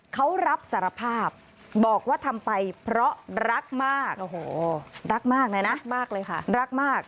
เขารับสารภาพบอกว่าทำไปเพราะรักมากโอ้โหรักมากเลยนะมากเลยค่ะรักมาก